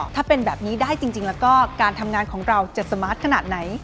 ถ้าเป็นแบบนี้ได้จริงแล้วก็การทำงานของเราจะสมาร์ทขนาดไหน